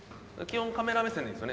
基本カメラ目線です。